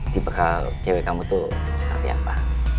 tipe kecil cewek kamu tuh seperti apa